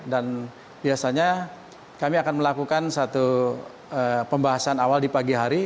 dan biasanya kami akan melakukan satu pembahasan awal di pagi hari